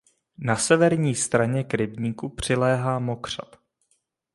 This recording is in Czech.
Na severní straně k rybníku přiléhá mokřad.